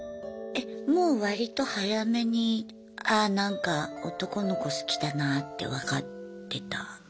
もう割と早めにああなんか男の子好きだなって分かってた？